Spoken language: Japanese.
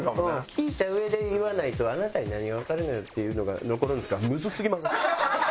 聞いたうえで言わないと「あなたに何がわかるのよ」っていうのが残るんですか？